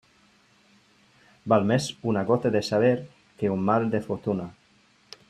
Val més una gota de saber que un mar de fortuna.